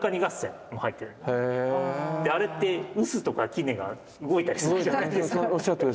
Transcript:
あれって臼とか杵が動いたりするじゃないですか。